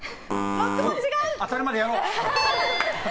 当たるまでやろう。